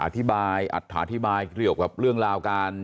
อธิบายอัตถาธิบายเกี่ยวกับเรื่องราวการ